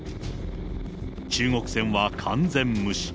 中国船は完全無視。